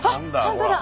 本当だ。